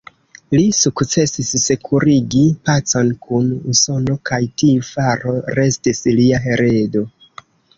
Li sukcesis sekurigi pacon kun Usono kaj tiu faro restis lia heredo.